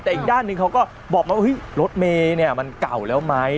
แต่อีกด้านหนึ่งเขาก็บอกมาว่ารถเมย์เนี่ยมันเก่าแล้วไหม